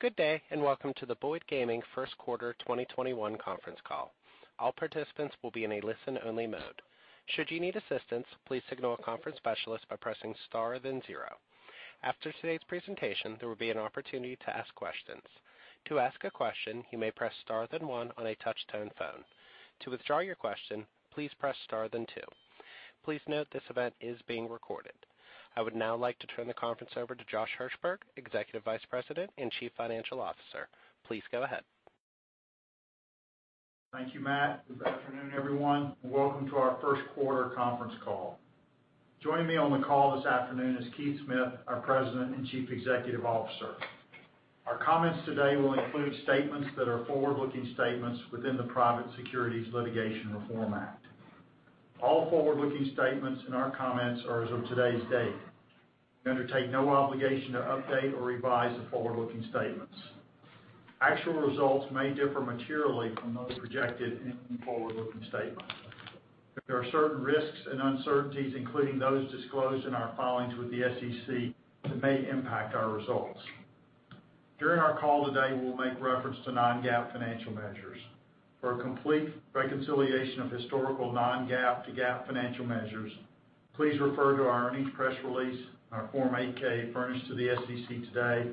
Good day, welcome to the Boyd Gaming First Quarter 2021 Conference Call. All participants will be in a listen-only mode. Should you need assistance, please signal a conference specialist by pressing star then zero. After today's presentation, there will be an opportunity to ask questions. To ask a question, you may press star then one on your touch-tone phone. To withdraw your question, please press star then two. Please note this event is being recorded. I would now like to turn the conference over to Josh Hirsberg, Executive Vice President and Chief Financial Officer. Please go ahead. Thank you, Matt. Good afternoon, everyone, welcome to our First Quarter Conference Call. Joining me on the call this afternoon is Keith Smith, our President and Chief Executive Officer. Our comments today will include statements that are forward-looking statements within the Private Securities Litigation Reform Act. All forward-looking statements in our comments are as of today's date. We undertake no obligation to update or revise the forward-looking statements. Actual results may differ materially from those projected any forward-looking statement. There are certain risks and uncertainties, including those disclosed in our filings with the SEC that may impact our results. During our call today, we'll make reference to non-GAAP financial measures. For a complete reconciliation of historical non-GAAP to GAAP financial measures, please refer to our earnings press release, our Form 8-K furnished to the SEC today,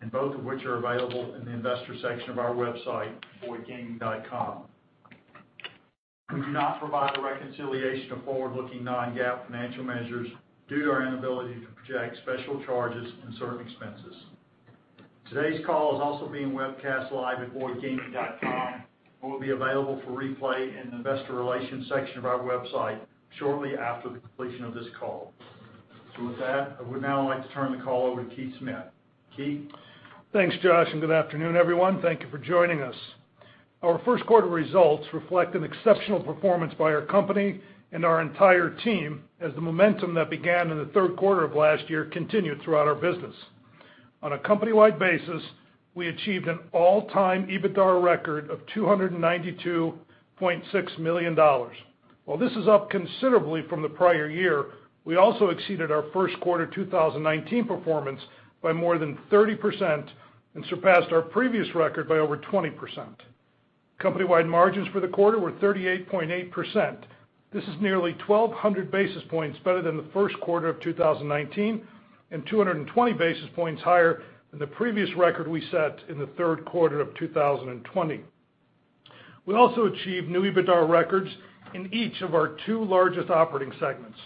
and both of which are available in the investor section of our website, boydgaming.com. We do not provide a reconciliation of forward-looking non-GAAP financial measures due to our inability to project special charges and certain expenses. Today's call is also being webcast live at boydgaming.com and will be available for replay in the investor relations section of our website shortly after the completion of this call. With that, I would now like to turn the call over to Keith Smith. Keith? Thanks, Josh, and good afternoon, everyone. Thank you for joining us. Our first quarter results reflect an exceptional performance by our company and our entire team as the momentum that began in the third quarter of last year continued throughout our business. On a company-wide basis, we achieved an all-time EBITDA record of $292.6 million. While this is up considerably from the prior year, we also exceeded our first quarter 2019 performance by more than 30% and surpassed our previous record by over 20%. Company-wide margins for the quarter were 38.8%. This is nearly 1,200 basis points better than the first quarter of 2019 and 200 basis points higher than the previous record we set in the third quarter of 2020. We also achieved new EBITDA records in each of our two largest operating segments.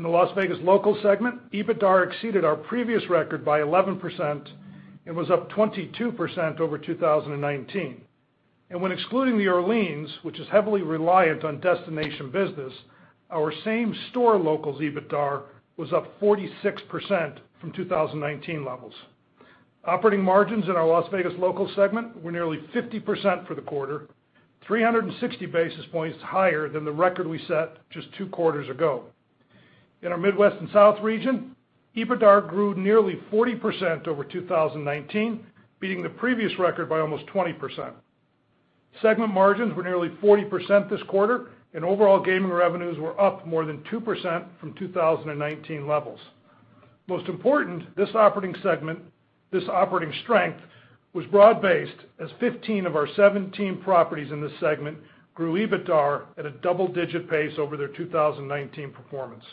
In the Las Vegas Locals segment, EBITDA exceeded our previous record by 11%, was up 22% over 2019. When excluding The Orleans, which is heavily reliant on destination business, our same store locals EBITDA was up 46% from 2019 levels. Operating margins in our Las Vegas Locals segment were nearly 50% for the quarter, 360 basis points higher than the record we set just two quarters ago. In our Midwest & South region, EBITDA grew nearly 40% over 2019, beating the previous record by almost 20%. Segment margins were nearly 40% this quarter, overall gaming revenues were up more than 2% from 2019 levels. Most important, this operating strength was broad-based as 15 of our 17 properties in this segment grew EBITDA at a double-digit pace over their 2019 performance.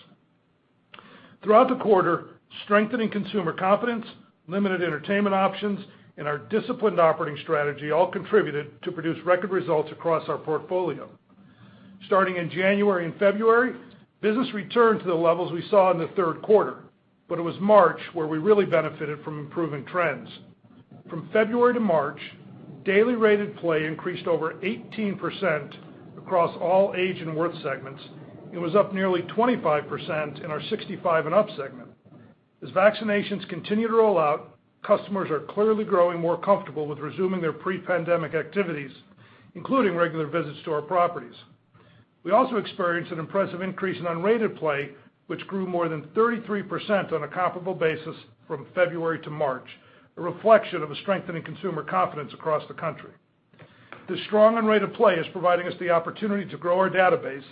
Throughout the quarter, strengthening consumer confidence, limited entertainment options, and our disciplined operating strategy all contributed to produce record results across our portfolio. Starting in January and February, business returned to the levels we saw in the third quarter, but it was March where we really benefited from improving trends. From February to March, daily rated play increased over 18% across all age and worth segments and was up nearly 25% in our 65 and up segment. As vaccinations continue to roll out, customers are clearly growing more comfortable with resuming their pre-pandemic activities, including regular visits to our properties. We also experienced an impressive increase in unrated play, which grew more than 33% on a comparable basis from February to March, a reflection of a strengthening consumer confidence across the country. This strong unrated play is providing us the opportunity to grow our database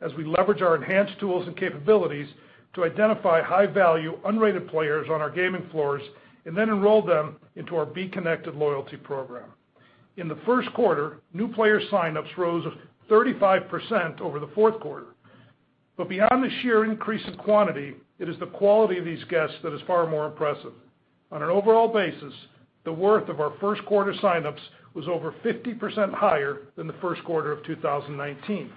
as we leverage our enhanced tools and capabilities to identify high-value, unrated players on our gaming floors and then enroll them into our B Connected loyalty program. In the first quarter, new player sign-ups rose 35% over the fourth quarter. Beyond the sheer increase in quantity, it is the quality of these guests that is far more impressive. On an overall basis, the worth of our first-quarter sign-ups was over 50% higher than the first quarter of 2019.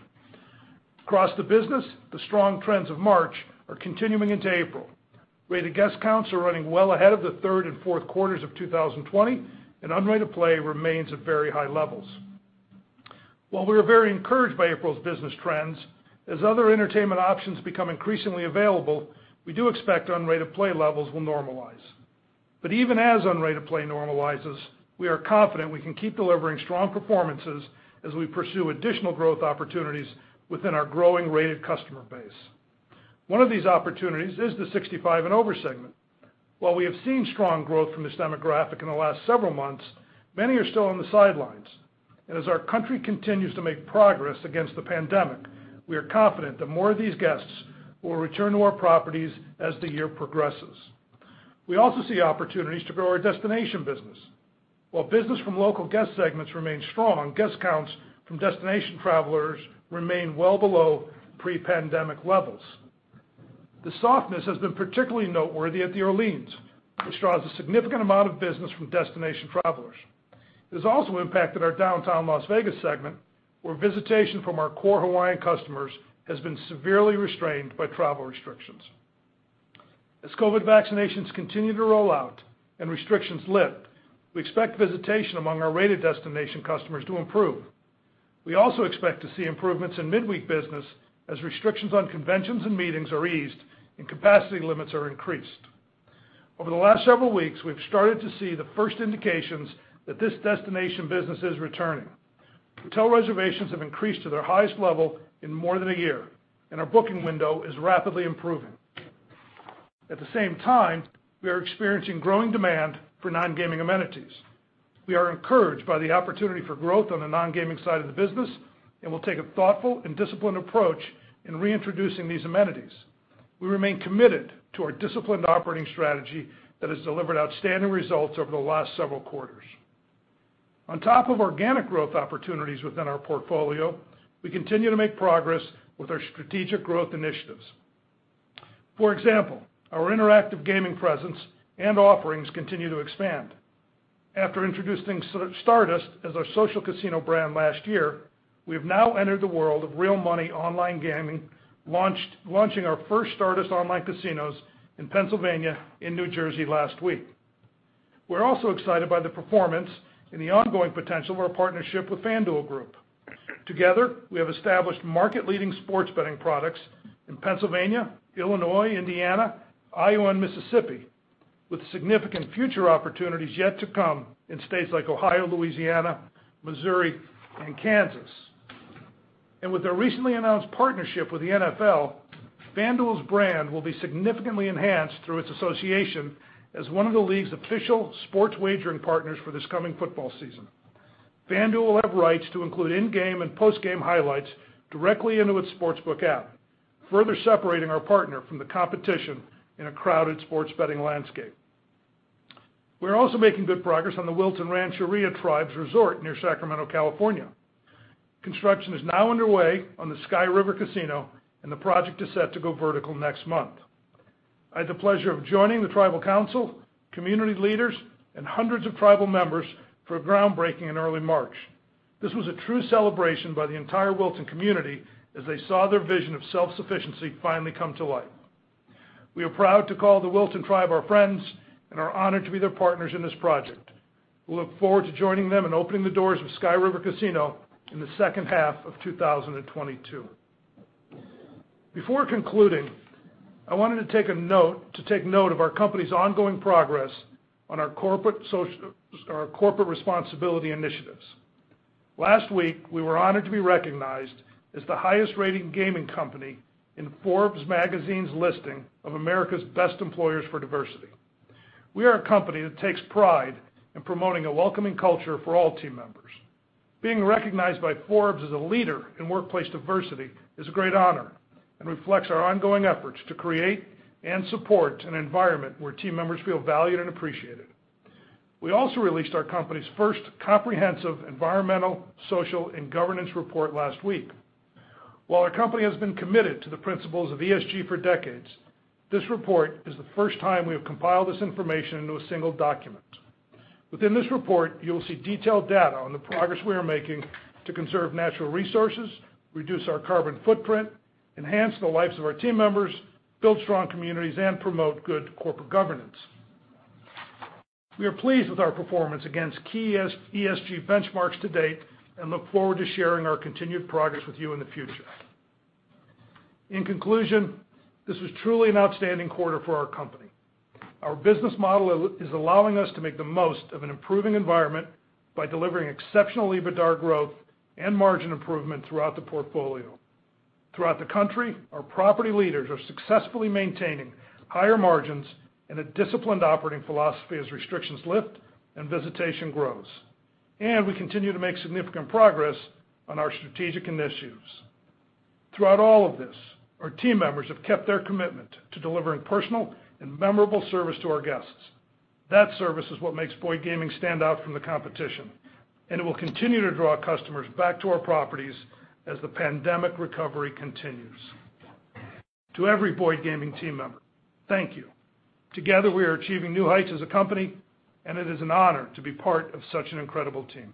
Across the business, the strong trends of March are continuing into April. Rated guest counts are running well ahead of the third and fourth quarters of 2020, and unrated play remains at very high levels. While we are very encouraged by April's business trends, as other entertainment options become increasingly available, we do expect unrated play levels will normalize. Even as unrated play normalizes, we are confident we can keep delivering strong performances as we pursue additional growth opportunities within our growing rated customer base. One of these opportunities is the 65 and over segment. While we have seen strong growth from this demographic in the last several months, many are still on the sidelines. As our country continues to make progress against the pandemic, we are confident that more of these guests will return to our properties as the year progresses. We also see opportunities to grow our destination business. While business from local guest segments remains strong, guest counts from destination travelers remain well below pre-pandemic levels. The softness has been particularly noteworthy at The Orleans, which draws a significant amount of business from destination travelers. It has also impacted our downtown Las Vegas segment, where visitation from our core Hawaiian customers has been severely restrained by travel restrictions. As COVID vaccinations continue to roll out and restrictions lift, we expect visitation among our rated destination customers to improve. We also expect to see improvements in midweek business as restrictions on conventions and meetings are eased and capacity limits are increased. Over the last several weeks, we've started to see the first indications that this destination business is returning. Hotel reservations have increased to their highest level in more than a year, and our booking window is rapidly improving. At the same time, we are experiencing growing demand for non-gaming amenities. We are encouraged by the opportunity for growth on the non-gaming side of the business and will take a thoughtful and disciplined approach in reintroducing these amenities. We remain committed to our disciplined operating strategy that has delivered outstanding results over the last several quarters. On top of organic growth opportunities within our portfolio, we continue to make progress with our strategic growth initiatives. For example, our interactive gaming presence and offerings continue to expand. After introducing Stardust as our social casino brand last year, we have now entered the world of real money online gaming, launching our first Stardust online casinos in Pennsylvania and New Jersey last week. We're also excited by the performance and the ongoing potential of our partnership with FanDuel Group. Together, we have established market-leading sports betting products in Pennsylvania, Illinois, Indiana, Iowa, and Mississippi, with significant future opportunities yet to come in states like Ohio, Louisiana, Missouri, and Kansas. With their recently announced partnership with the NFL, FanDuel's brand will be significantly enhanced through its association as one of the league's official sports wagering partners for this coming football season. FanDuel will have rights to include in-game and post-game highlights directly into its sports book app, further separating our partner from the competition in a crowded sports betting landscape. We are also making good progress on the Wilton Rancheria Tribe's resort near Sacramento, California. Construction is now underway on the Sky River Casino, and the project is set to go vertical next month. I had the pleasure of joining the tribal council, community leaders, and hundreds of tribal members for a groundbreaking in early March. This was a true celebration by the entire Wilton community as they saw their vision of self-sufficiency finally come to life. We are proud to call the Wilton Tribe our friends and are honored to be their partners in this project. We look forward to joining them in opening the doors of Sky River Casino in the second half of 2022. Before concluding, I wanted to take note of our company's ongoing progress on our corporate responsibility initiatives. Last week, we were honored to be recognized as the highest-rated gaming company in Forbes Magazine's listing of America's Best Employers for Diversity. We are a company that takes pride in promoting a welcoming culture for all team members. Being recognized by Forbes as a leader in workplace diversity is a great honor and reflects our ongoing efforts to create and support an environment where team members feel valued and appreciated. We also released our company's first comprehensive environmental, social, and governance report last week. While our company has been committed to the principles of ESG for decades, this report is the first time we have compiled this information into a single document. Within this report, you will see detailed data on the progress we are making to conserve natural resources, reduce our carbon footprint, enhance the lives of our team members, build strong communities, and promote good corporate governance. We are pleased with our performance against key ESG benchmarks to date and look forward to sharing our continued progress with you in the future. In conclusion, this was truly an outstanding quarter for our company. Our business model is allowing us to make the most of an improving environment by delivering exceptional EBITDA growth and margin improvement throughout the portfolio. Throughout the country, our property leaders are successfully maintaining higher margins and a disciplined operating philosophy as restrictions lift and visitation grows. We continue to make significant progress on our strategic initiatives. Throughout all of this, our team members have kept their commitment to delivering personal and memorable service to our guests. That service is what makes Boyd Gaming stand out from the competition, and it will continue to draw customers back to our properties as the pandemic recovery continues. To every Boyd Gaming team member, thank you. Together, we are achieving new heights as a company, and it is an honor to be part of such an incredible team.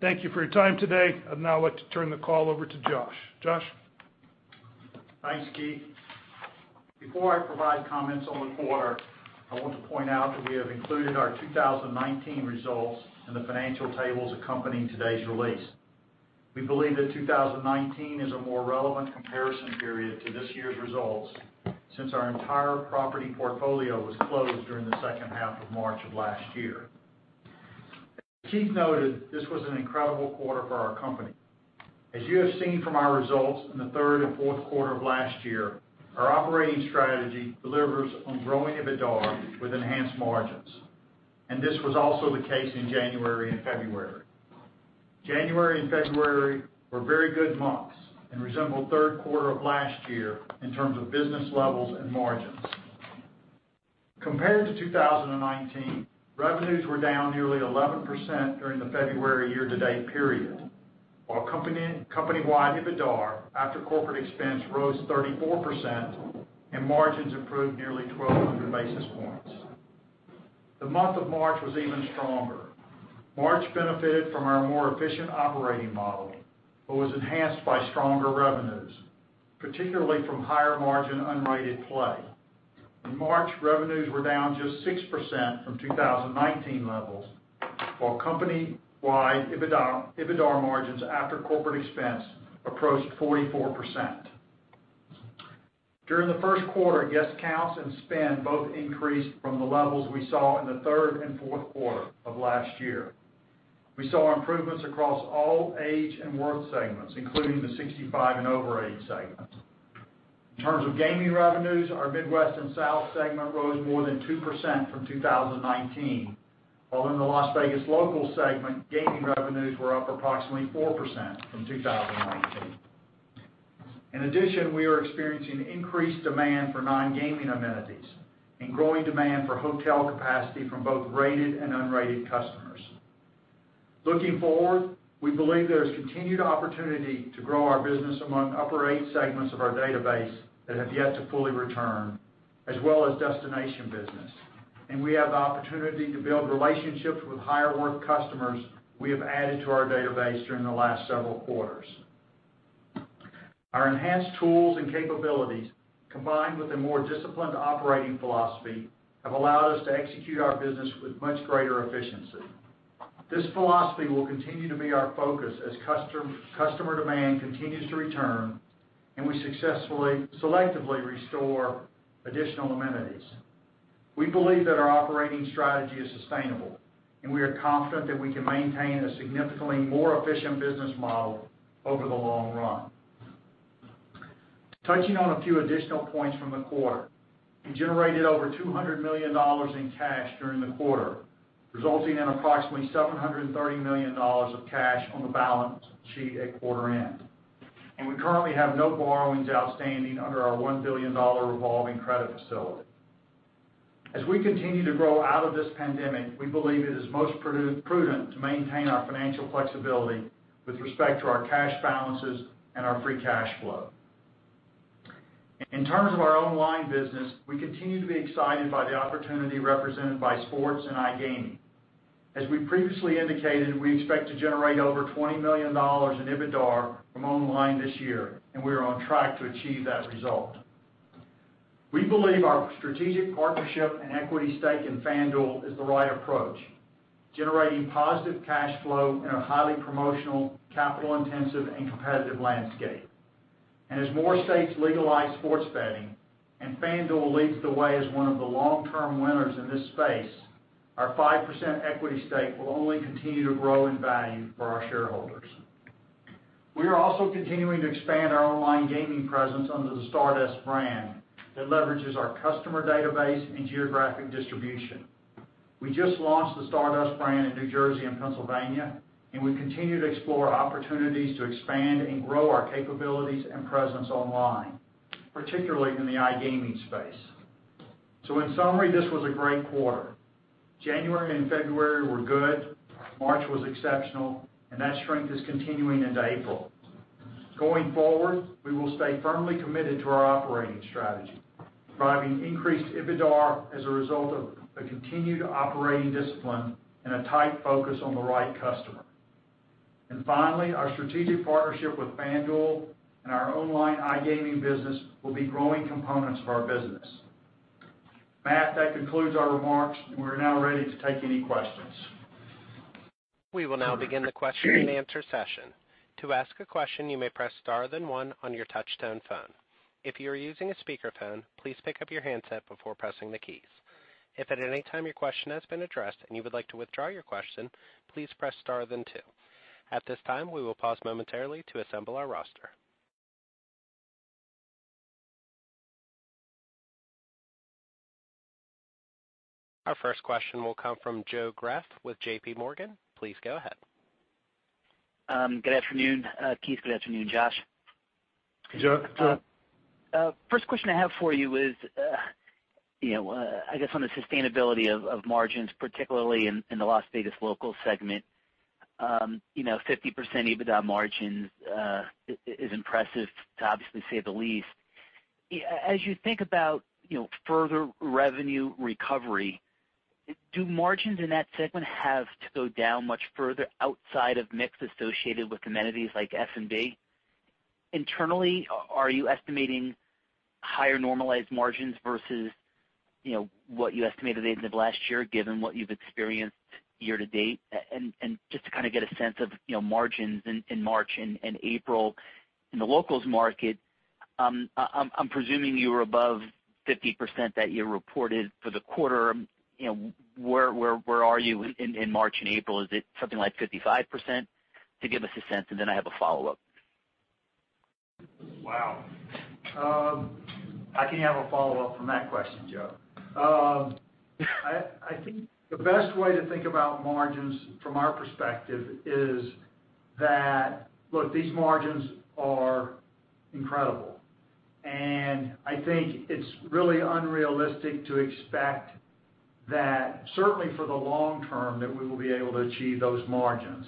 Thank you for your time today. I'd now like to turn the call over to Josh. Josh? Thanks, Keith. Before I provide comments on the quarter, I want to point out that we have included our 2019 results in the financial tables accompanying today's release. We believe that 2019 is a more relevant comparison period to this year's results since our entire property portfolio was closed during the second half of March of last year. Keith noted, this was an incredible quarter for our company. As you have seen from our results in the third and fourth quarter of last year, our operating strategy delivers on growing EBITDA with enhanced margins, and this was also the case in January and February. January and February were very good months and resembled third quarter of last year in terms of business levels and margins. Compared to 2019, revenues were down nearly 11% during the February year-to-date period, while company-wide EBITDA after corporate expense rose 34%, and margins improved nearly 1,200 basis points. The month of March was even stronger. March benefited from our more efficient operating model but was enhanced by stronger revenues, particularly from higher-margin unrated play. In March, revenues were down just 6% from 2019 levels, while company-wide EBITDA margins after corporate expense approached 44%. During the first quarter, guest counts and spend both increased from the levels we saw in the third and fourth quarter of last year. We saw improvements across all age and worth segments, including the 65 and over age segments. In terms of gaming revenues, our Midwest & South segment rose more than 2% from 2019. In the Las Vegas Locals segment, gaming revenues were up approximately 4% from 2019. In addition, we are experiencing increased demand for non-gaming amenities and growing demand for hotel capacity from both rated and unrated customers. Looking forward, we believe there is continued opportunity to grow our business among upper-age segments of our database that have yet to fully return, as well as destination business, and we have the opportunity to build relationships with higher-worth customers we have added to our database during the last several quarters. Our enhanced tools and capabilities, combined with a more disciplined operating philosophy, have allowed us to execute our business with much greater efficiency. This philosophy will continue to be our focus as customer demand continues to return and we successfully selectively restore additional amenities. We believe that our operating strategy is sustainable, and we are confident that we can maintain a significantly more efficient business model over the long run. Touching on a few additional points from the quarter, we generated over $200 million in cash during the quarter, resulting in approximately $730 million of cash on the balance sheet at quarter end. We currently have no borrowings outstanding under our $1 billion revolving credit facility. As we continue to grow out of this pandemic, we believe it is most prudent to maintain our financial flexibility with respect to our cash balances and our free cash flow. In terms of our online business, we continue to be excited by the opportunity represented by sports and iGaming. As we previously indicated, we expect to generate over $20 million in EBITDA from online this year, and we are on track to achieve that result. We believe our strategic partnership and equity stake in FanDuel is the right approach, generating positive cash flow in a highly promotional, capital-intensive, and competitive landscape. As more states legalize sports betting and FanDuel leads the way as one of the long-term winners in this space, our 5% equity stake will only continue to grow in value for our shareholders. We are also continuing to expand our online gaming presence under the Stardust brand that leverages our customer database and geographic distribution. We just launched the Stardust brand in New Jersey and Pennsylvania, and we continue to explore opportunities to expand and grow our capabilities and presence online, particularly in the iGaming space. In summary, this was a great quarter. January and February were good, March was exceptional, and that strength is continuing into April. Going forward, we will stay firmly committed to our operating strategy, driving increased EBITDA as a result of a continued operating discipline and a tight focus on the right customer. Finally, our strategic partnership with FanDuel and our online iGaming business will be growing components of our business. Matt, that concludes our remarks, and we're now ready to take any questions. We will now begin the question-and-answer session. To ask a question, you may press star then one on your touch-tone phone. If you are using a speakerphone, please pick up you handset before pressing the keys. If at any time your question has been addressed and you would like to withdraw your question, please press star then two. At this time, we will pause momentarily to assemble our roster. Our first question will come from Joe Greff with JPMorgan. Please go ahead. Good afternoon, Keith. Good afternoon, Josh. Joe. First question I have for you is, I guess on the sustainability of margins, particularly in the Las Vegas Locals segment. 50% EBITDA margin is impressive to obviously say the least. As you think about further revenue recovery, do margins in that segment have to go down much further outside of mix associated with amenities like F&B? Internally, are you estimating higher normalized margins versus what you estimated at the end of last year, given what you've experienced year to date? Just to get a sense of margins in March and April in the locals market. I'm presuming you were above 50% that you reported for the quarter. Where are you in March and April? Is it something like 55%? To give us a sense, and then I have a follow-up. Wow. I can have a follow-up from that question, Joe. I think the best way to think about margins from our perspective is that, look, these margins are incredible. I think it's really unrealistic to expect that, certainly for the long term, that we will be able to achieve those margins.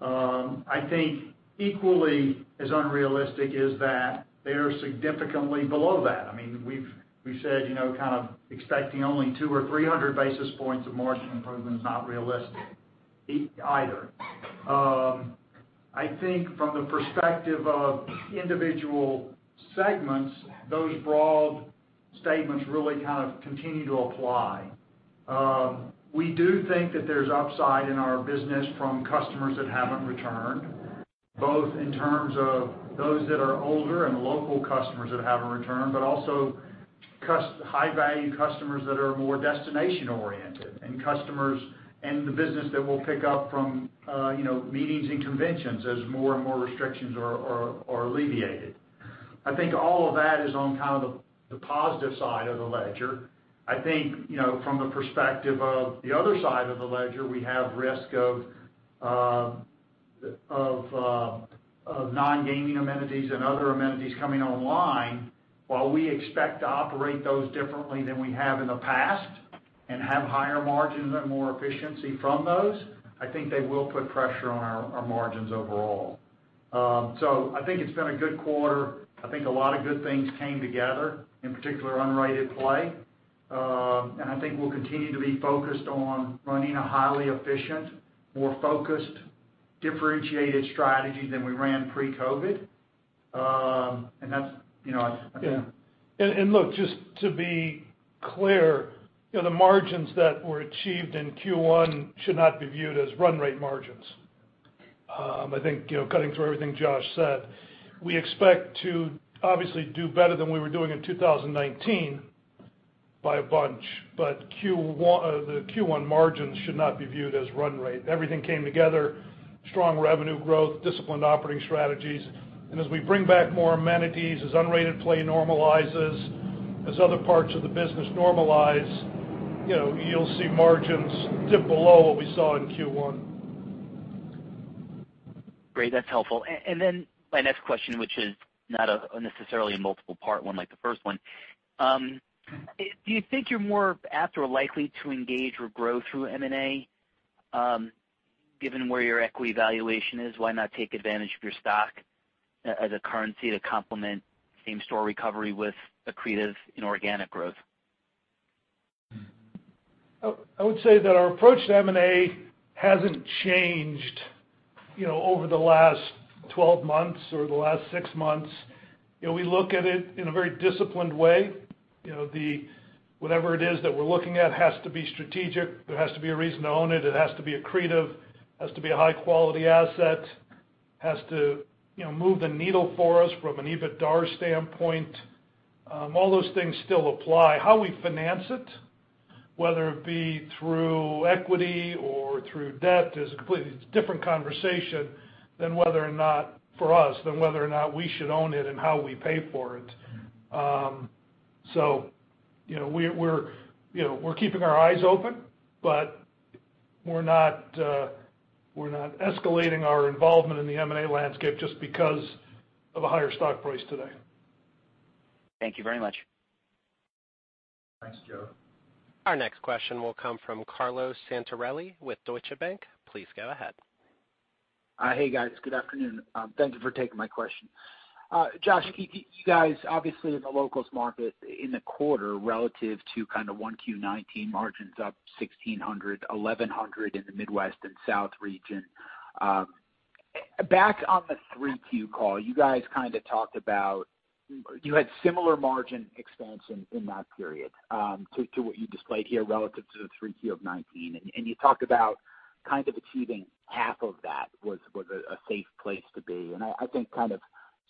I think equally as unrealistic is that they are significantly below that. We've said, kind of expecting only 200 or 300 basis points of margin improvement is not realistic either. I think from the perspective of individual segments, those broad statements really kind of continue to apply. We do think that there's upside in our business from customers that haven't returned, both in terms of those that are older and local customers that haven't returned, but also high-value customers that are more destination-oriented, and the business that will pick up from meetings and conventions as more and more restrictions are alleviated. I think all of that is on the positive side of the ledger. I think, from the perspective of the other side of the ledger, we have risk of non-gaming amenities and other amenities coming online. While we expect to operate those differently than we have in the past and have higher margins and more efficiency from those, I think they will put pressure on our margins overall. I think it's been a good quarter. I think a lot of good things came together, in particular unrated play. I think we'll continue to be focused on running a highly efficient, more focused, differentiated strategy than we ran pre-COVID. Yeah. Look, just to be clear, the margins that were achieved in Q1 should not be viewed as run-rate margins. I think, cutting through everything Josh said, we expect to obviously do better than we were doing in 2019 by a bunch, the Q1 margins should not be viewed as run rate. Everything came together, strong revenue growth, disciplined operating strategies. As we bring back more amenities, as unrated play normalizes, as other parts of the business normalize, you'll see margins dip below what we saw in Q1. Great. That's helpful. My next question, which is not necessarily a multiple-part one like the first one. Do you think you're more apt or likely to engage or grow through M&A given where your equity valuation is? Why not take advantage of your stock as a currency to complement same-store recovery with accretive inorganic growth? I would say that our approach to M&A hasn't changed over the last 12 months or the last six months. We look at it in a very disciplined way. Whatever it is that we're looking at has to be strategic. There has to be a reason to own it. It has to be accretive, has to be a high-quality asset, has to move the needle for us from an EBITDA standpoint. All those things still apply. How we finance it, whether it be through equity or through debt, is a completely different conversation than whether or not, for us, we should own it and how we pay for it. We're keeping our eyes open, but we're not escalating our involvement in the M&A landscape just because of a higher stock price today. Thank you very much. Thanks, Joe. Our next question will come from Carlo Santarelli with Deutsche Bank. Please go ahead. Hey, guys. Good afternoon. Thank you for taking my question. Josh, you guys obviously in the Locals market in the quarter relative to kind of Q1 2019 margins up 1,600, 1,100 in the Midwest & South segment. Back on the Q3 call, you guys kind of talked about, you had similar margin expansion in that period to what you displayed here relative to the Q3 of 2019. You talked about kind of achieving half of that was a safe place to be. I think kind of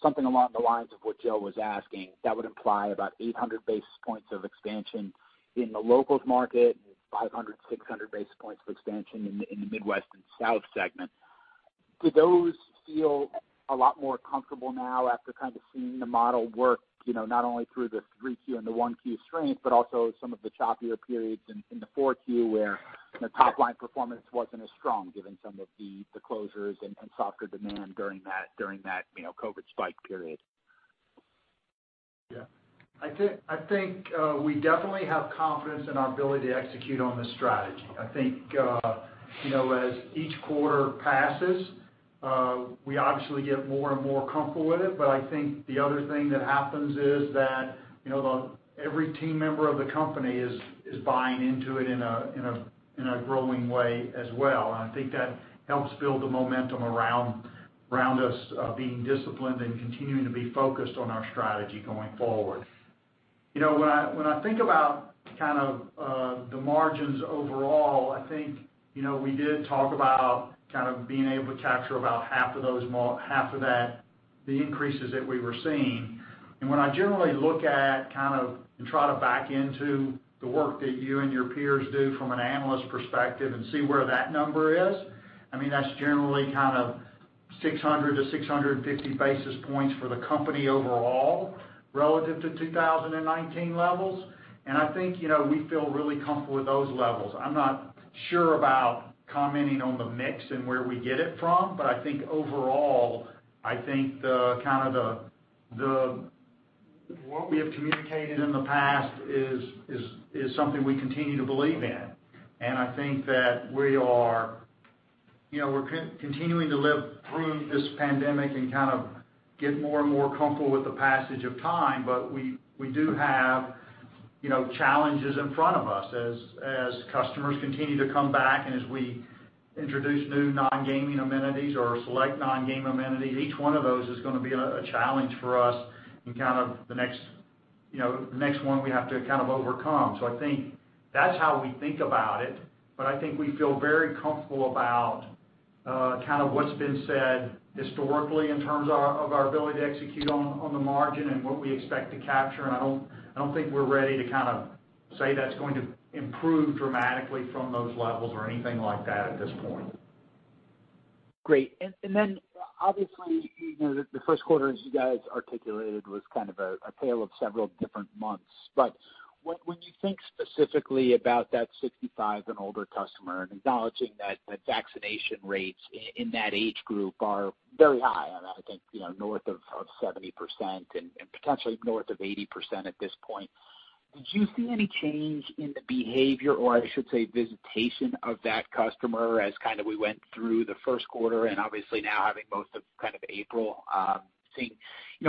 something along the lines of what Joe was asking, that would imply about 800 basis points of expansion in the Locals market and 500, 600 basis points of expansion in the Midwest & South segment. Do those feel a lot more comfortable now after kind of seeing the model work, not only through the 3Q and the 1Q strength, but also some of the choppier periods in the 4Q where the top-line performance wasn't as strong given some of the closures and softer demand during that COVID spike period? Yeah. I think we definitely have confidence in our ability to execute on this strategy. I think as each quarter passes, we obviously get more and more comfortable with it. I think the other thing that happens is that every team member of the company is buying into it in a growing way as well. I think that helps build the momentum around us being disciplined and continuing to be focused on our strategy going forward. When I think about the margins overall, I think we did talk about being able to capture about half of the increases that we were seeing. When I generally look at and try to back into the work that you and your peers do from an analyst perspective and see where that number is, that's generally 600-650 basis points for the company overall relative to 2019 levels. I think we feel really comfortable with those levels. I'm not sure about commenting on the mix and where we get it from, but I think overall, what we have communicated in the past is something we continue to believe in. I think that we're continuing to live through this pandemic and get more and more comfortable with the passage of time. We do have challenges in front of us as customers continue to come back and as we introduce new non-gaming amenities or select non-gaming amenities. Each one of those is going to be a challenge for us and the next one we have to overcome. I think that's how we think about it, but I think we feel very comfortable about what's been said historically in terms of our ability to execute on the margin and what we expect to capture. I don't think we're ready to say that's going to improve dramatically from those levels or anything like that at this point. Great. Obviously, the first quarter, as you guys articulated, was a tale of several different months. When you think specifically about that 65 and older customer and acknowledging that the vaccination rates in that age group are very high, and I think north of 70% and potentially north of 80% at this point, did you see any change in the behavior, or I should say, visitation of that customer as we went through the first quarter and obviously now having most of April, seeing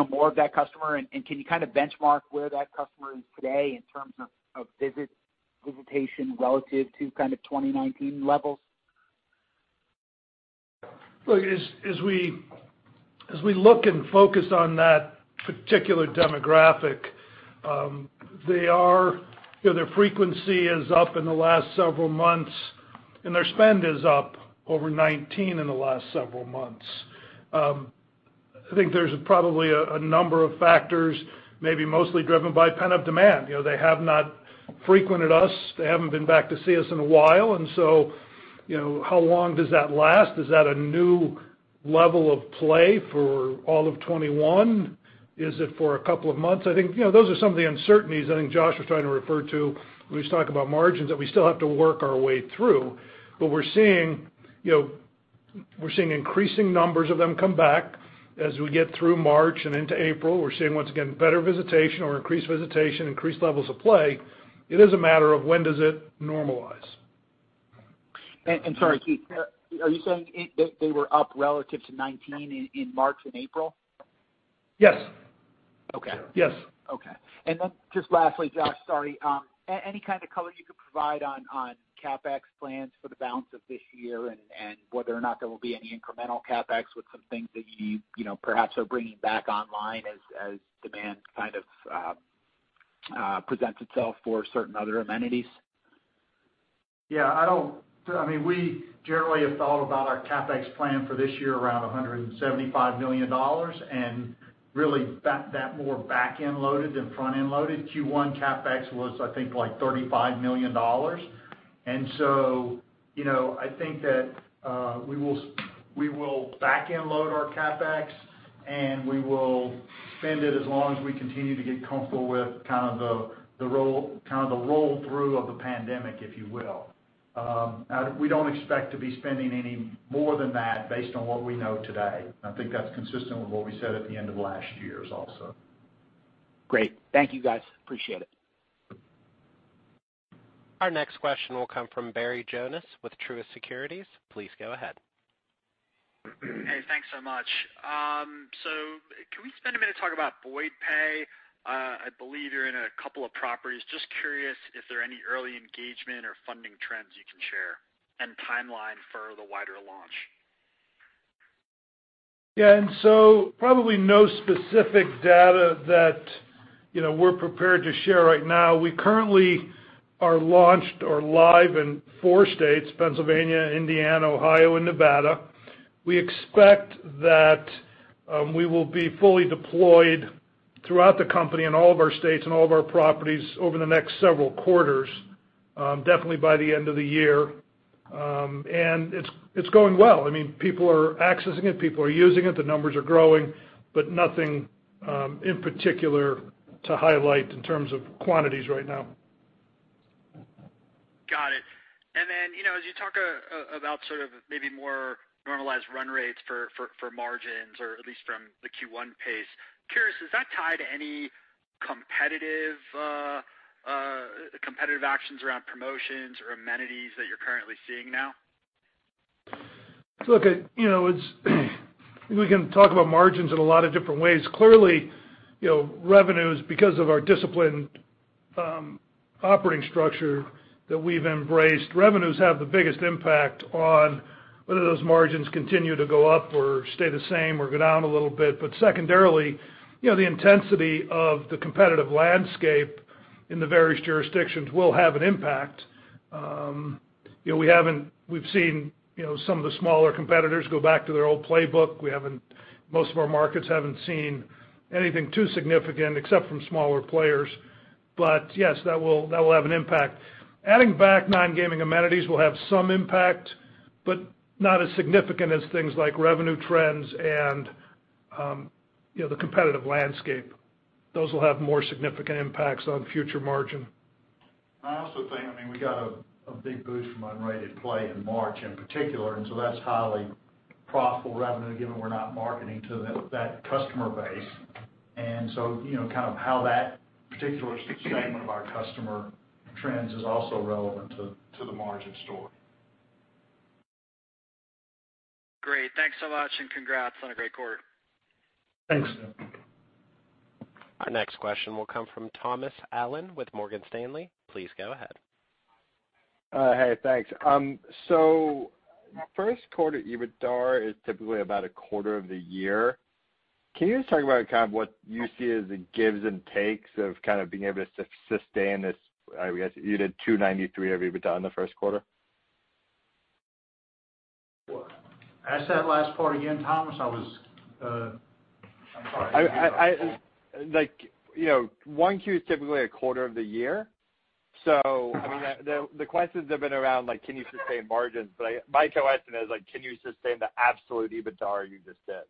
more of that customer? Can you benchmark where that customer is today in terms of visitation relative to 2019 levels? Look, as we look and focus on that particular demographic, their frequency is up in the last several months, and their spend is up over 2019 in the last several months. I think there's probably a number of factors, maybe mostly driven by pent-up demand. They have not frequented us. They haven't been back to see us in a while. How long does that last? Is that a new level of play for all of 2021? Is it for a couple of months? I think those are some of the uncertainties I think Josh was trying to refer to when he was talking about margins that we still have to work our way through. We're seeing increasing numbers of them come back as we get through March and into April. We're seeing, once again, better visitation or increased visitation, increased levels of play. It is a matter of when does it normalize. Sorry, Keith, are you saying they were up relative to 2019 in March and April? Yes. Okay. Yes. Okay. Just lastly, Josh, sorry. Any kind of color you could provide on CapEx plans for the balance of this year and whether or not there will be any incremental CapEx with some things that you perhaps are bringing back online as demand presents itself for certain other amenities? We generally have thought about our CapEx plan for this year around $175 million, and really that more back-end loaded than front-end loaded. Q1 CapEx was, I think, like $35 million. I think that we will back-end load our CapEx, and we will spend it as long as we continue to get comfortable with the roll-through of the pandemic, if you will. We don't expect to be spending any more than that based on what we know today. I think that's consistent with what we said at the end of last year also. Great. Thank you, guys. Appreciate it. Our next question will come from Barry Jonas with Truist Securities. Please go ahead. Hey, thanks so much. Can we spend a minute talking about Boyd Pay? I believe you're in a couple of properties. Just curious if there are any early engagement or funding trends you can share and timeline for the wider launch. Yeah. Probably no specific data that we're prepared to share right now. We currently are launched or live in four states, Pennsylvania, Indiana, Ohio, and Nevada. We expect that we will be fully deployed throughout the company in all of our states and all of our properties over the next several quarters, definitely by the end of the year. It's going well. People are accessing it, people are using it. The numbers are growing, but nothing in particular to highlight in terms of quantities right now. Got it. As you talk about maybe more normalized run rates for margins or at least from the Q1 pace, curious, is that tied to any competitive actions around promotions or amenities that you're currently seeing now? Look, we can talk about margins in a lot of different ways. Clearly, revenues, because of our discipline operating structure that we've embraced, revenues have the biggest impact on whether those margins continue to go up or stay the same or go down a little bit. Secondarily, the intensity of the competitive landscape in the various jurisdictions will have an impact. We've seen some of the smaller competitors go back to their old playbook. Most of our markets haven't seen anything too significant except from smaller players. Yes, that will have an impact. Adding back non-gaming amenities will have some impact, but not as significant as things like revenue trends and the competitive landscape. Those will have more significant impacts on future margin. I also think we got a big boost from unrated play in March in particular. That's highly profitable revenue given we're not marketing to that customer base. How that particular segment of our customer trends is also relevant to the margin story. Great. Thanks so much, and congrats on a great quarter. Thanks. Our next question will come from Thomas Allen with Morgan Stanley. Please go ahead. Hey, thanks. First quarter EBITDA is typically about a quarter of the year. Can you just talk about kind of what you see as the gives and takes of kind of being able to sustain this? You did $293 of EBITDA in the first quarter. Ask that last part again, Thomas. I'm sorry. 1Q is typically a quarter of the year. I mean, the questions have been around like, can you sustain margins? My question is like, can you sustain the absolute EBITDA you just did?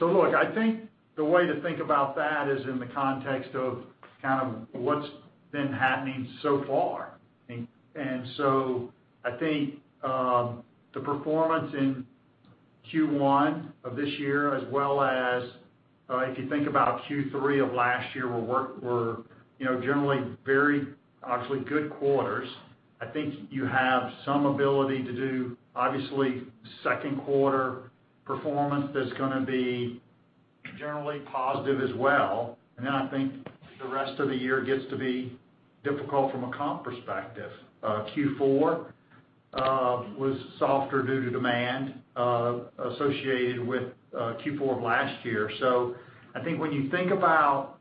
Look, I think the way to think about that is in the context of kind of what's been happening so far. I think, the performance in Q1 of this year, as well as if you think about Q3 of last year, were generally very, obviously, good quarters. I think you have some ability to do, obviously, second quarter performance that's going to be generally positive as well. I think the rest of the year gets to be difficult from a comp perspective. Q4 was softer due to demand associated with Q4 of last year. I think when you think about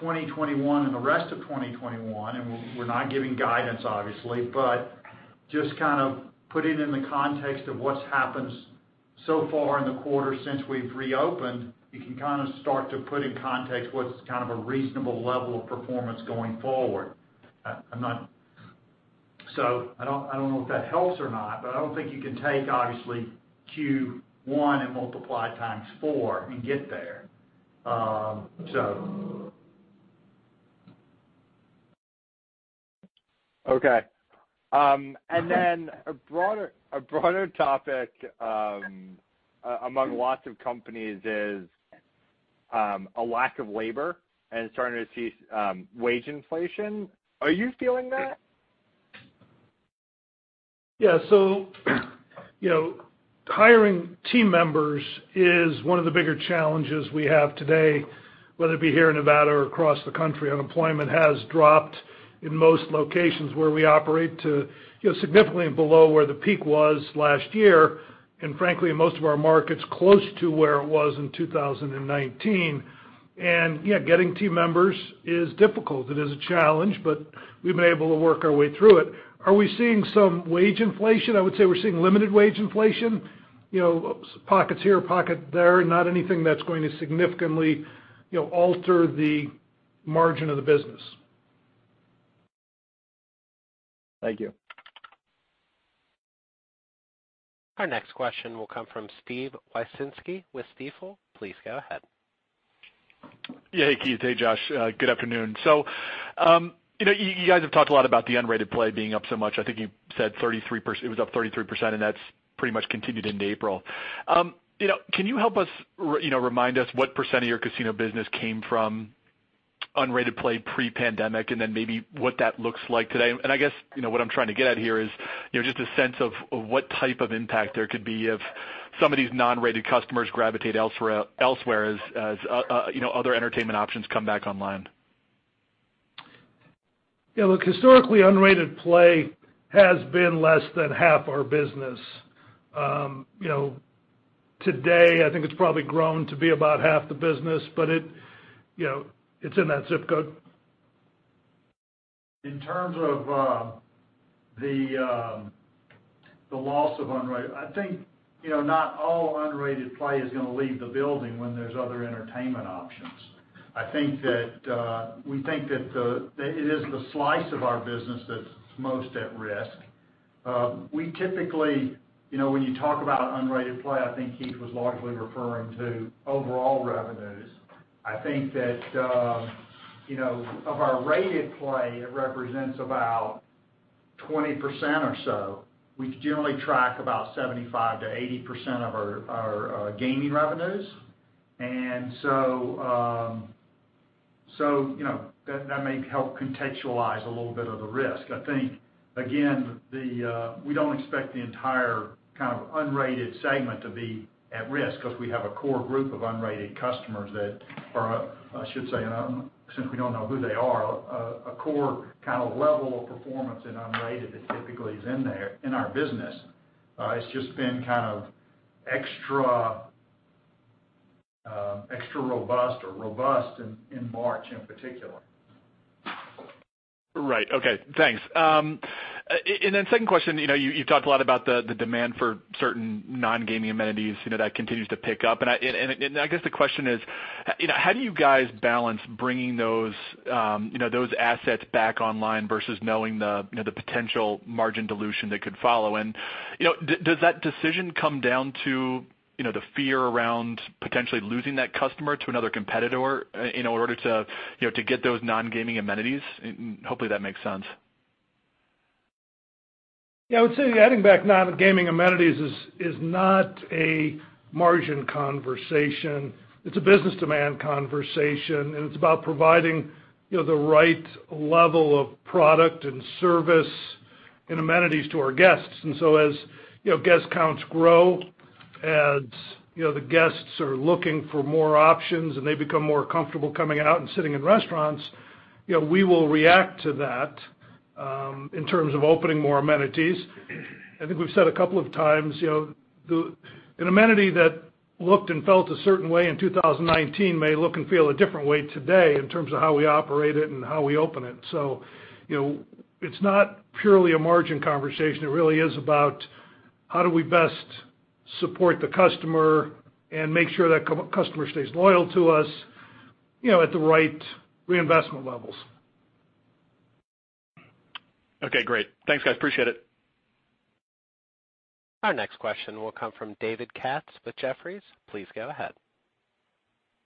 2021 and the rest of 2021, and we're not giving guidance obviously, but just kind of put it in the context of what's happened so far in the quarter since we've reopened, you can kind of start to put in context what's kind of a reasonable level of performance going forward. I don't know if that helps or not, but I don't think you can take obviously Q1 and multiply times four and get there. Okay. A broader topic among lots of companies is a lack of labor and starting to see wage inflation. Are you feeling that? Yeah. Hiring team members is one of the bigger challenges we have today, whether it be here in Nevada or across the country. Unemployment has dropped in most locations where we operate to significantly below where the peak was last year, and frankly, in most of our markets, close to where it was in 2019. Yeah, getting team members is difficult. It is a challenge, but we've been able to work our way through it. Are we seeing some wage inflation? I would say we're seeing limited wage inflation, pockets here, pocket there, not anything that's going to significantly alter the margin of the business. Thank you. Our next question will come from Steven Wieczynski with Stifel. Please go ahead. Yeah. Hey, Keith. Hey, Josh. Good afternoon. You guys have talked a lot about the unrated play being up so much. I think you said it was up 33%. That's pretty much continued into April. Can you help us, remind us what percent of your casino business came from unrated play pre-pandemic, maybe what that looks like today? I guess, what I'm trying to get at here is, just a sense of what type of impact there could be if some of these non-rated customers gravitate elsewhere as other entertainment options come back online. Yeah, look, historically, unrated play has been less than half our business. Today, I think it's probably grown to be about half the business, but it's in that zip code. In terms of the loss of unrated, I think, not all unrated play is going to leave the building when there's other entertainment options. We think that it is the slice of our business that's most at risk. When you talk about unrated play, I think Keith was largely referring to overall revenues. I think that of our rated play, it represents about 20% or so. We generally track about 75%-80% of our gaming revenues. That may help contextualize a little bit of the risk. I think, again, we don't expect the entire unrated segment to be at risk, because we have a core group of unrated customers that are, I should say, since we don't know who they are, a core level of performance in unrated that typically is in there in our business. It's just been extra robust or robust in March in particular. Right. Okay, thanks. Second question, you've talked a lot about the demand for certain non-gaming amenities that continues to pick up, I guess the question is, how do you guys balance bringing those assets back online versus knowing the potential margin dilution that could follow? Does that decision come down to the fear around potentially losing that customer to another competitor in order to get those non-gaming amenities? Hopefully that makes sense. Yeah. I would say adding back non-gaming amenities is not a margin conversation. It's a business demand conversation, and it's about providing the right level of product and service and amenities to our guests. As guest counts grow, as the guests are looking for more options and they become more comfortable coming out and sitting in restaurants, we will react to that, in terms of opening more amenities. I think we've said a couple of times, an amenity that looked and felt a certain way in 2019 may look and feel a different way today in terms of how we operate it and how we open it. It's not purely a margin conversation. It really is about how do we best support the customer and make sure that customer stays loyal to us, at the right reinvestment levels. Okay, great. Thanks, guys. Appreciate it. Our next question will come from David Katz with Jefferies. Please go ahead.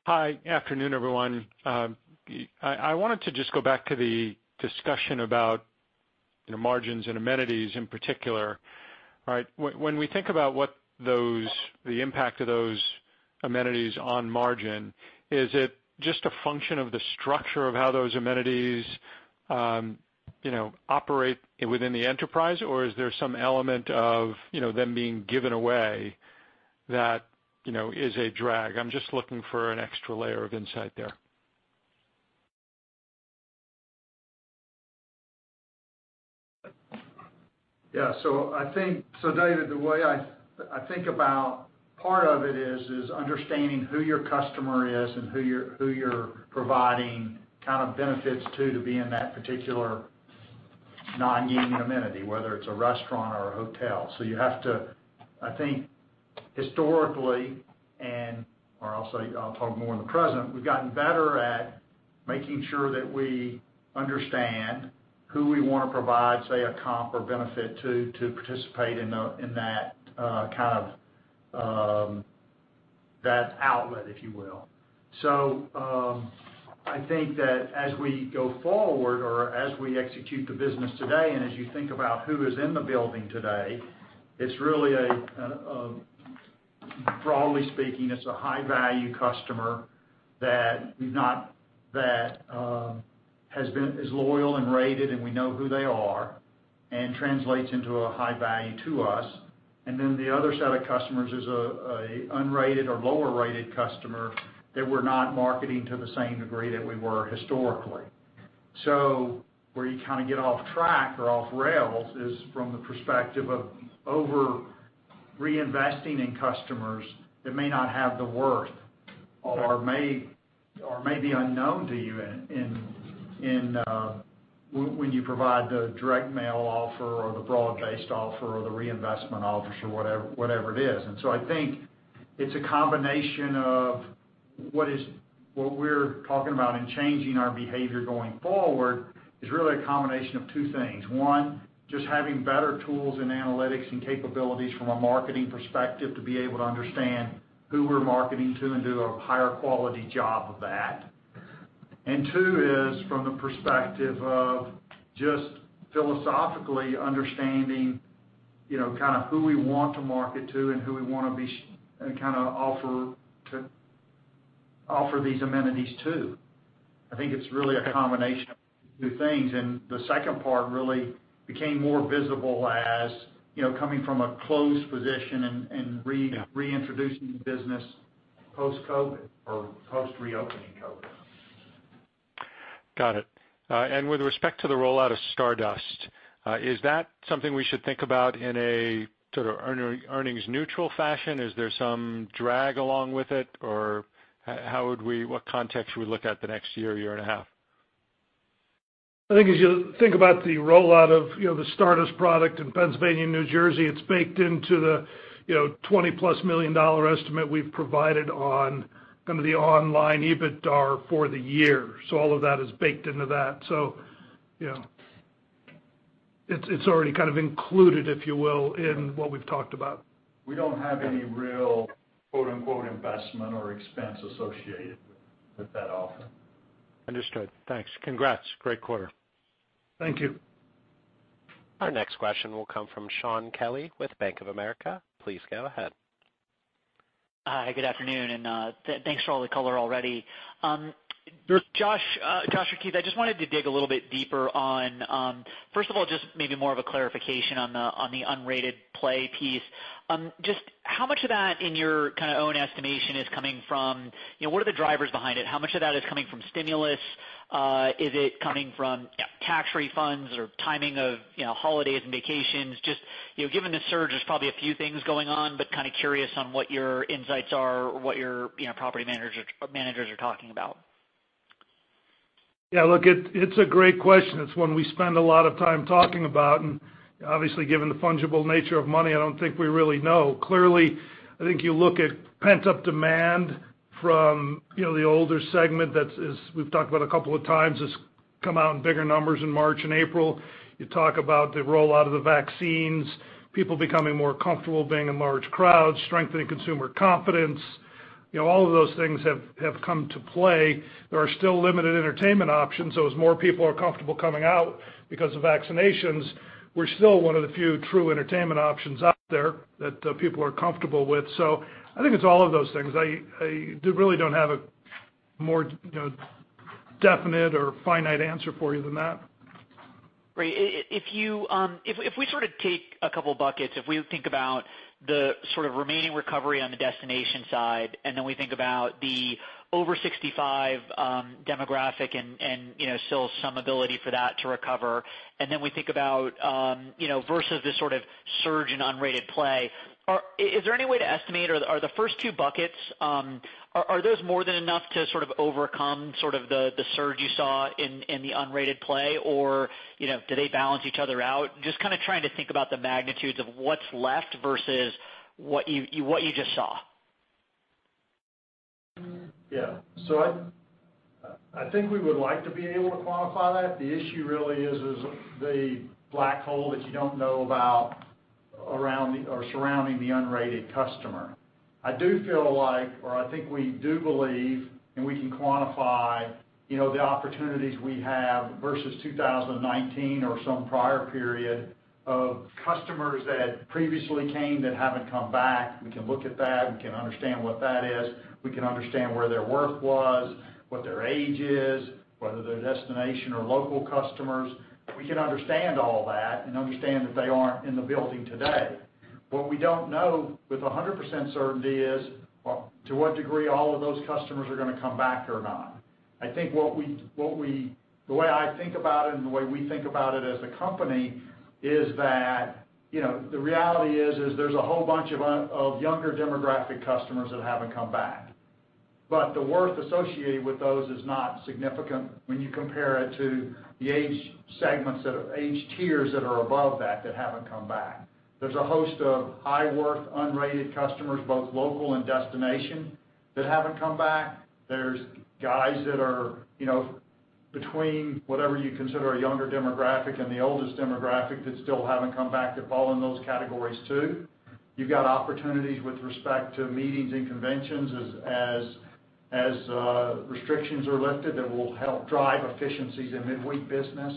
Hi. Afternoon, everyone. I wanted to just go back to the discussion about margins and amenities in particular. When we think about what the impact of those amenities on margin, is it just a function of the structure of how those amenities operate within the enterprise, or is there some element of them being given away that is a drag? I'm just looking for an extra layer of insight there. Yeah. David, the way I think about part of it is understanding who your customer is and who you're providing benefits to be in that particular non-gaming amenity, whether it's a restaurant or a hotel. I think historically, and I'll talk more in the present, we've gotten better at making sure that we understand who we want to provide, say, a comp or benefit to participate in that outlet, if you will. I think that as we go forward or as we execute the business today, and as you think about who is in the building today, broadly speaking, it's a high-value customer that is loyal and rated, and we know who they are, and translates into a high value to us. The other set of customers is a unrated or lower-rated customer that we're not marketing to the same degree that we were historically. Where you kind of get off track or off rail is from the perspective of over-reinvesting in customers that may not have the worth or may be unknown to you when you provide the direct mail offer or the broad-based offer or the reinvestment offers or whatever it is. I think it's a combination of what we're talking about and changing our behavior going forward, is really a combination of two things. One, just having better tools and analytics and capabilities from a marketing perspective to be able to understand who we're marketing to and do a higher quality job of that. Two is from the perspective of just philosophically understanding who we want to market to and who we want to offer these amenities to. I think it's really a combination of two things, and the second part really became more visible as coming from a closed position and reintroducing the business post-COVID or post-reopening COVID. Got it. With respect to the rollout of Stardust, is that something we should think about in a sort of earnings-neutral fashion? Is there some drag along with it, or what context should we look at the next year and a half? I think as you think about the rollout of the Stardust product in Pennsylvania and New Jersey, it's baked into the $20+ million estimate we've provided on kind of the online EBITDA for the year. All of that is baked into that. It's already kind of included, if you will, in what we've talked about. We don't have any real "investment or expense" associated with that offer. Understood. Thanks. Congrats. Great quarter. Thank you. Our next question will come from Shaun Kelley with Bank of America. Please go ahead. Hi, good afternoon. Thanks for all the color already. Josh or Keith, I just wanted to dig a little bit deeper on first of all, just maybe more of a clarification on the unrated play piece. Just how much of that in your kind of own estimation is coming from, what are the drivers behind it? How much of that is coming from stimulus? Is it coming from tax refunds or timing of holidays and vacations? Just given the surge, there's probably a few things going on, but kind of curious on what your insights are or what your property managers are talking about. Yeah, look, it's a great question. It's one we spend a lot of time talking about. Obviously, given the fungible nature of money, I don't think we really know. Clearly, I think you look at pent-up demand from the older segment that we've talked about a couple of times, has come out in bigger numbers in March and April. You talk about the rollout of the vaccines, people becoming more comfortable being in large crowds, strengthening consumer confidence. All of those things have come to play. There are still limited entertainment options. As more people are comfortable coming out because of vaccinations, we're still one of the few true entertainment options out there that people are comfortable with. I think it's all of those things. I really don't have a more definite or finite answer for you than that. Right. If we sort of take a couple buckets, if we think about the sort of remaining recovery on the destination side, and then we think about the over 65 demographic and still some ability for that to recover, and then we think about versus this sort of surge in unrated play, is there any way to estimate? Are the first two buckets, are those more than enough to sort of overcome the surge you saw in the unrated play, or do they balance each other out? Just kind of trying to think about the magnitudes of what's left versus what you just saw. Yeah. I think we would like to be able to quantify that. The issue really is the black hole that you don't know about around or surrounding the unrated customer. I do feel like or I think we do believe, and we can quantify the opportunities we have versus 2019 or some prior period of customers that previously came that haven't come back. We can look at that. We can understand what that is. We can understand where their worth was, what their age is, whether they're destination or local customers. We can understand all that and understand that they aren't in the building today. What we don't know with 100% certainty is to what degree all of those customers are going to come back or not. I think the way I think about it and the way we think about it as a company is that the reality is there's a whole bunch of younger demographic customers that haven't come back. The worth associated with those is not significant when you compare it to the age tiers that are above that haven't come back. There's a host of high worth unrated customers, both local and destination, that haven't come back. There's guys that are between whatever you consider a younger demographic and the oldest demographic that still haven't come back, that fall in those categories, too. You've got opportunities with respect to meetings and conventions as restrictions are lifted that will help drive efficiencies in midweek business.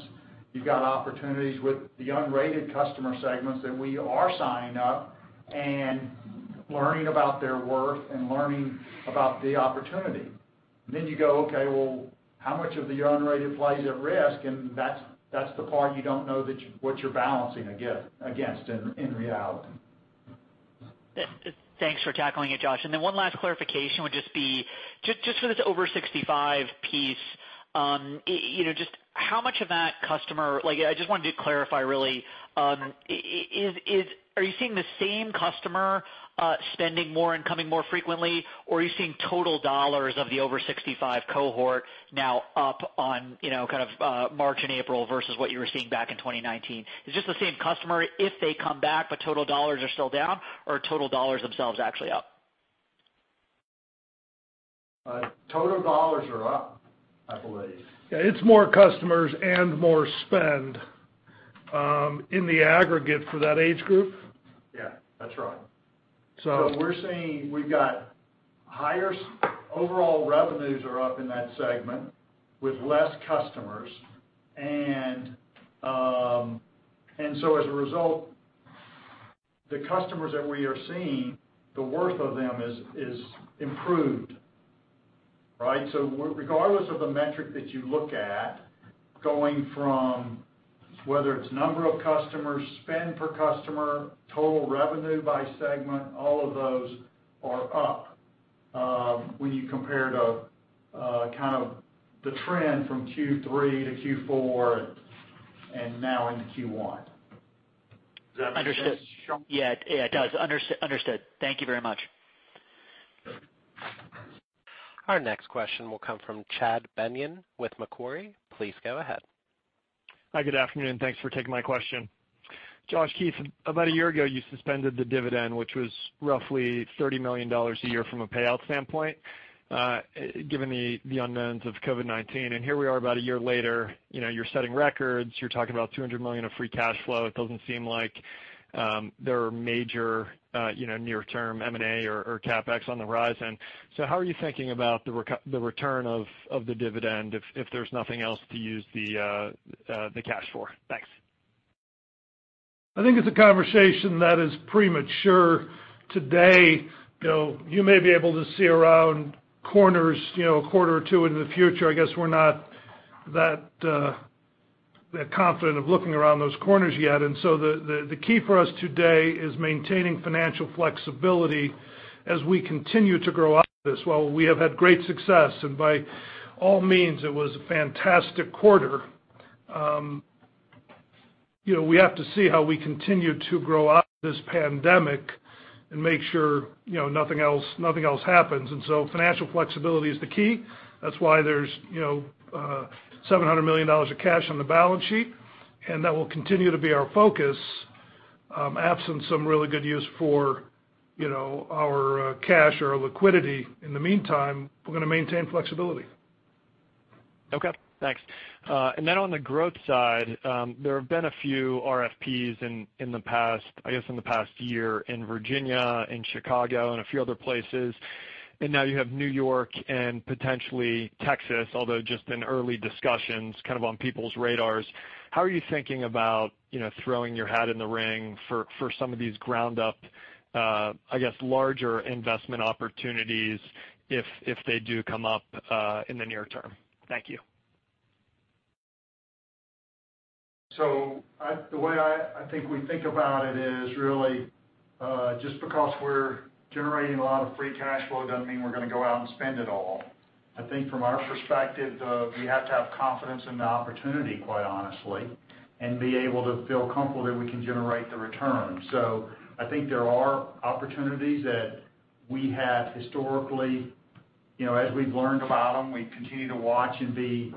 You've got opportunities with the unrated customer segments that we are signing up and learning about their worth and learning about the opportunity. Then you go, okay, well, how much of the unrated play is at risk? That's the part you don't know what you're balancing against in reality. Thanks for tackling it, Josh. Then one last clarification would just be, just for this over 65 piece, just how much of that customer-- I just wanted to clarify, really. Are you seeing the same customer spending more and coming more frequently, or are you seeing total dollars of the over 65 cohort now up on kind of March and April versus what you were seeing back in 2019? Is this the same customer if they come back, but total dollars are still down, or are total dollars themselves actually up? Total dollars are up, I believe. Yeah, it's more customers and more spend in the aggregate for that age group. Yeah, that's right. So- We're saying we've got Overall revenues are up in that segment with less customers. As a result, the customers that we are seeing, the worth of them is improved, right? Regardless of the metric that you look at, going from whether it's number of customers, spend per customer, total revenue by segment, all of those are up when you compare the kind of the trend from Q3 to Q4 and now into Q1. Does that make sense, Shaun? Understood. Yeah, it does. Understood. Thank you very much. Our next question will come from Chad Beynon with Macquarie. Please go ahead. Hi, good afternoon. Thanks for taking my question. Josh, Keith, about a year ago, you suspended the dividend, which was roughly $30 million a year from a payout standpoint given the unknowns of COVID-19. Here we are about a year later. You're setting records. You're talking about $200 million of free cash flow. It doesn't seem like there are major near-term M&A or CapEx on the horizon. How are you thinking about the return of the dividend if there's nothing else to use the cash for? Thanks. I think it's a conversation that is premature today. [Bill], you may be able to see around corners a quarter or two into the future. I guess we're not that confident of looking around those corners yet. The key for us today is maintaining financial flexibility as we continue to grow out of this. While we have had great success, and by all means, it was a fantastic quarter, we have to see how we continue to grow out of this pandemic and make sure nothing else happens. Financial flexibility is the key. That's why there's $700 million of cash on the balance sheet, and that will continue to be our focus. Absent some really good use for our cash or liquidity in the meantime, we're going to maintain flexibility. Okay, thanks. On the growth side, there have been a few RFPs in the past, I guess, in the past year in Virginia, in Chicago, and a few other places, and now you have New York and potentially Texas, although just in early discussions, kind of on people's radars. How are you thinking about throwing your hat in the ring for some of these ground-up, I guess, larger investment opportunities if they do come up in the near term? Thank you. The way I think we think about it is really just because we're generating a lot of free cash flow doesn't mean we're going to go out and spend it all. I think from our perspective, we have to have confidence in the opportunity, quite honestly, and be able to feel comfortable that we can generate the return. There are opportunities that we have historically, as we've learned about them, we continue to watch and be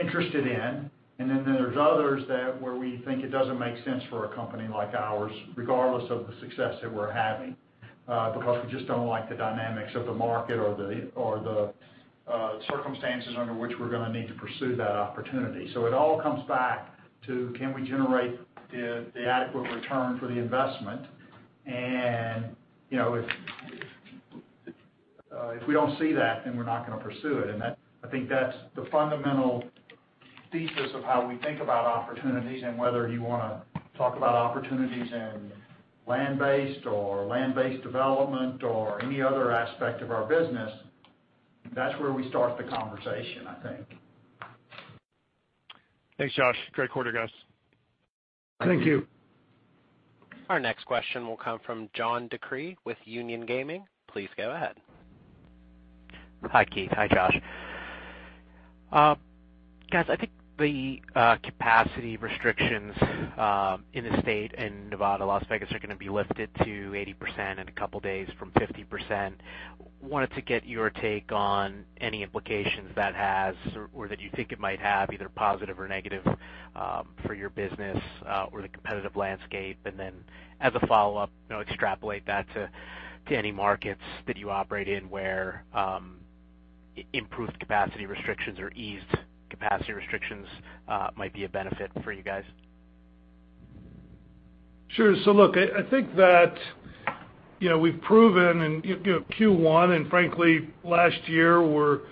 interested in. Then there's others that where we think it doesn't make sense for a company like ours, regardless of the success that we're having, because we just don't like the dynamics of the market or the circumstances under which we're going to need to pursue that opportunity. It all comes back to, can we generate the adequate return for the investment? If we don't see that, then we're not going to pursue it. I think that's the fundamental thesis of how we think about opportunities and whether you want to talk about opportunities in land-based or land-based development or any other aspect of our business. That's where we start the conversation, I think. Thanks, Josh. Great quarter, guys. Thank you. Our next question will come from John DeCree with Union Gaming. Please go ahead. Hi, Keith. Hi, Josh. Guys, I think the capacity restrictions in the state in Nevada, Las Vegas, are going to be lifted to 80% in a couple of days from 50%. Wanted to get your take on any implications that has or that you think it might have, either positive or negative for your business or the competitive landscape. Then as a follow-up, extrapolate that to any markets that you operate in where improved capacity restrictions or eased capacity restrictions might be a benefit for you guys. Sure. Look, I think that we've proven in Q1 and frankly, last year were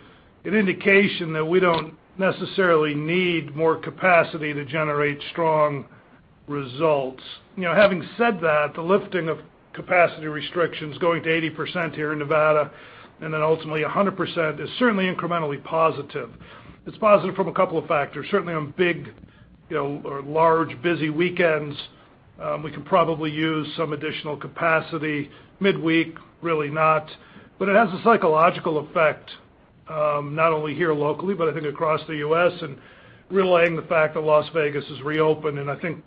an indication that we don't necessarily need more capacity to generate strong results. Having said that, the lifting of capacity restrictions going to 80% here in Nevada and then ultimately 100% is certainly incrementally positive. It's positive from a couple of factors. Certainly on big or large busy weekends, we could probably use some additional capacity. Midweek, really not. It has a psychological effect not only here locally, but I think across the U.S. and relaying the fact that Las Vegas is reopened and I think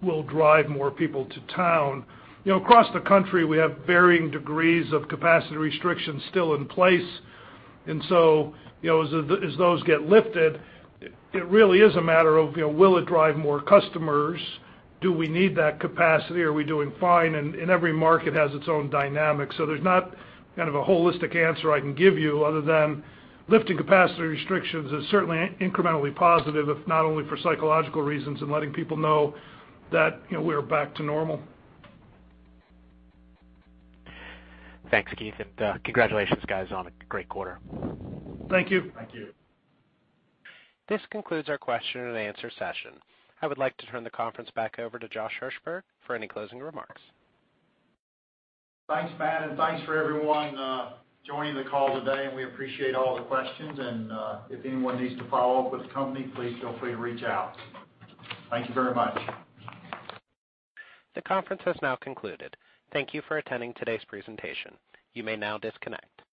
will drive more people to town. Across the country, we have varying degrees of capacity restrictions still in place, as those get lifted, it really is a matter of will it drive more customers? Do we need that capacity? Are we doing fine? Every market has its own dynamics. There's not kind of a holistic answer I can give you other than lifting capacity restrictions is certainly incrementally positive, if not only for psychological reasons and letting people know that we are back to normal. Thanks, Keith, and congratulations guys on a great quarter. Thank you. Thank you. This concludes our question and answer session. I would like to turn the conference back over to Josh Hirsberg for any closing remarks. Thanks, Matt, thanks for everyone joining the call today, and we appreciate all the questions and if anyone needs to follow up with the company, please feel free to reach out. Thank you very much. The conference has now concluded. Thank you for attending today's presentation. You may now disconnect.